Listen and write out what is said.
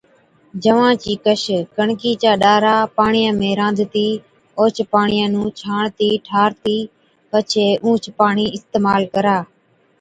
جَوا چِي ڪش، ڪڻڪِي چا ڏارا پاڻِيان ۾ رانڌتِي اوهچ پاڻِيان نُون ڇاڻتِي ٺارتِي پڇي اُونهچ پاڻِي اِستعمال ڪرا۔